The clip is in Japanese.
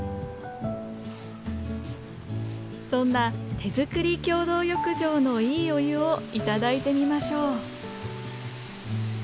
そんな手作り共同浴場のいいお湯を頂いてみましょう。